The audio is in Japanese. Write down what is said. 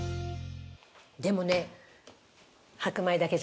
でもね。